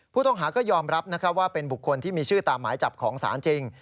ผู้ต้องหาก็ยอมรับว่าเป็นบุคคลที่มีชื่อตามหมายจับของศาลจริง